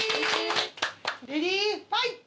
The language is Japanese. レディーファイト！